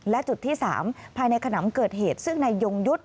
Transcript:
และจุดที่๓ภายในขนำเกิดเหตุซึ่งนายยงยุทธ์